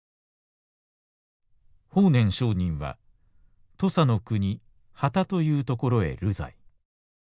「法然聖人は土佐の国番田という所へ流罪。